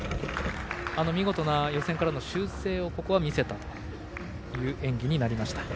見事な予選からの修正を見せた演技になりました。